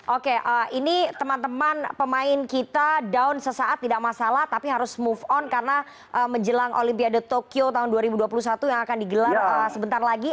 oke ini teman teman pemain kita down sesaat tidak masalah tapi harus move on karena menjelang olimpiade tokyo tahun dua ribu dua puluh satu yang akan digelar sebentar lagi